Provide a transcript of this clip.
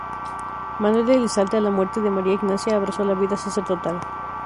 Manuel de Elizalde a la muerte de María Ignacia abrazó la vida sacerdotal.